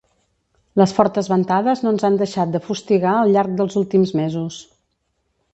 Les fortes ventades no ens han deixat de fustigar al llarg dels últims mesos.